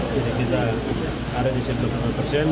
jadi kita ada di isim sembilan puluh lima persen